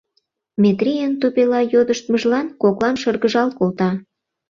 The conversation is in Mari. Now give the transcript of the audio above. Метрийын тупела йодыштмыжлан коклан шыргыжал колта.